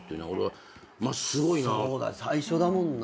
最初だもんな。